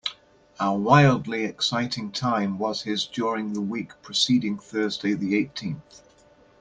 A wildly exciting time was his during the week preceding Thursday the eighteenth.